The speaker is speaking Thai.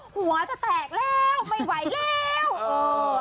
หัวจะแตกแล้วไม่ไหวแล้วเออ